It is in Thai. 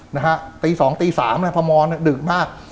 นะฮะตีสองตีสามนะพมดึกมาก